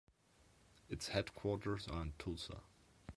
Its headquarters are in Tulsa.